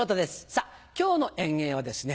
さぁ今日の演芸はですね